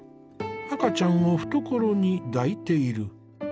赤ちゃんを懐に抱いている。